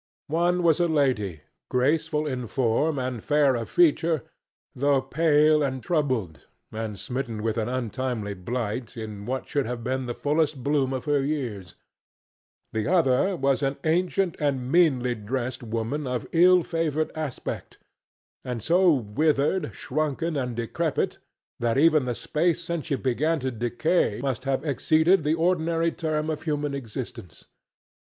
One was a lady graceful in form and fair of feature, though pale and troubled and smitten with an untimely blight in what should have been the fullest bloom of her years; the other was an ancient and meanly dressed woman of ill favored aspect, and so withered, shrunken and decrepit that even the space since she began to decay must have exceeded the ordinary term of human existence.